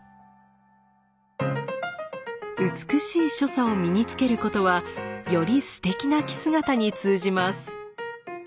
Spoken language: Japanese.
美しい所作を身につけることはよりすてきな着姿に通じます。